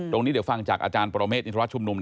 ตรงนี้เดี๋ยวฟังจากอประโมเมฆนิตรวัสดิ์ชุมนุม